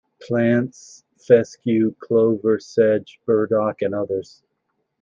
Plants: fescue, clover, sedge, burdock and others.